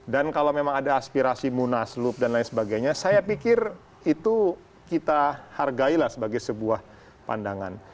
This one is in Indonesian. dan kalau memang ada aspirasi munaslub dan lain sebagainya saya pikir itu kita hargailah sebagai sebuah pandangan